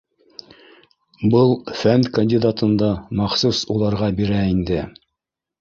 — Был фән кандидатын да махсус уларға бирә инде